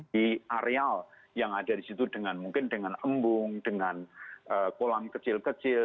di areal yang ada di situ dengan mungkin dengan embung dengan kolam kecil kecil